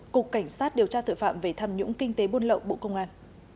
cục cảnh sát điều tra tội phạm về tham nhũng kinh tế buôn lậu bộ công an